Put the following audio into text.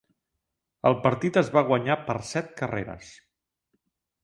El partit es va guanyar per set carreres.